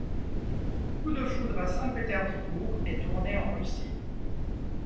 Coup de foudre à Saint-Petersbourg est tourné en Russie.